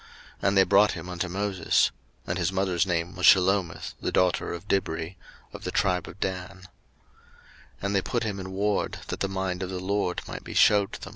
And they brought him unto Moses: (and his mother's name was Shelomith, the daughter of Dibri, of the tribe of Dan:) 03:024:012 And they put him in ward, that the mind of the LORD might be shewed them.